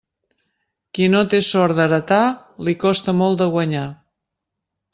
Qui no té sort d'heretar, li costa molt de guanyar.